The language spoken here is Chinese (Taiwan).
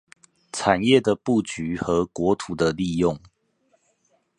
產業的佈局和國土的利用